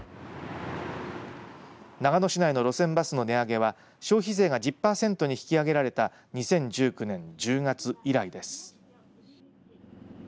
長野市内の路線バスの値上げは消費税が１０パーセントに引き上げられた２０１９年１０月以来です。